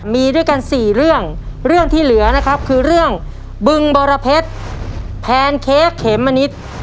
มีด้วยกันสี่เรื่องเรื่องที่เหลือนะครับคือเรื่องบึงบรเพชรแพนเค้กเขมมะนิด